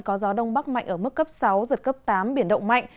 có gió đông bắc mạnh ở mức cấp sáu giật cấp tám biển động mạnh